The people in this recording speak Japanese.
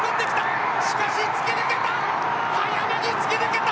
しかし、突き抜けた！